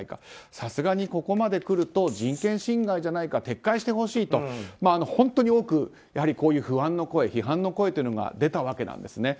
さすがにここまで来ると人権侵害じゃないか撤回してほしいと、本当に多くこういう不安の声批判の声が出たんですね。